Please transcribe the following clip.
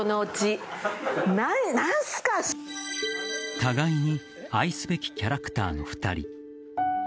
互いに愛すべきキャラクターの２人。